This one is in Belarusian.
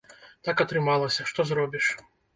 Так атрымалася, што зробіш.